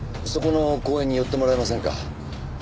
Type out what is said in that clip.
そこの公園に寄ってもらえませんか？